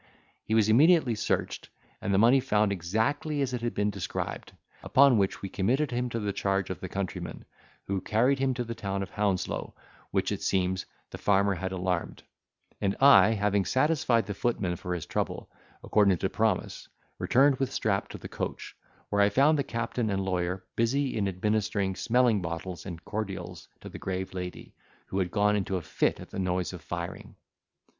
He was immediately searched, and the money found exactly as it had been described; upon which we committed him to the charge of the countryman, who carried him to the town of Hounslow, which, it seems, the farmer had alarmed; and I, having satisfied the footman for his trouble, according to promise, returned with Strap to the coach, where I found the captain and lawyer busy in administering smelling bottles and cordials to the grave lady, who had gone into a fit at the noise of firing.